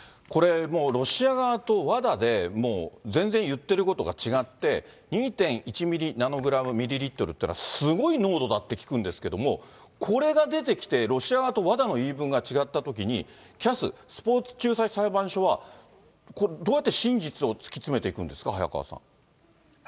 これ、もうロシア側とＷＡＤＡでもう全然言ってることが違って、２．１ミリナノグラムミリリットルって、すごい濃度だって聞くんですけど、これが出てきて、ロシア側とＷＡＤＡの言い分が違ったときに、ＣＡＳ・スポーツ仲裁裁判所は、これどうやって真実を突き詰めていくんですか、早川さん。